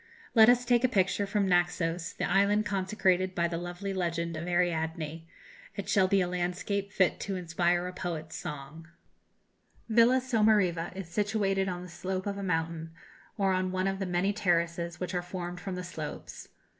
Let us take a picture from Naxos, the island consecrated by the lovely legend of Ariadne; it shall be a landscape fit to inspire a poet's song: "Villa Somariva is situated on the slope of a mountain, or on one of the many terraces which are formed from the slopes.